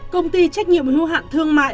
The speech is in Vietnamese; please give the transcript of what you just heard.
công ty trách nhiệm hữu hạn thương mại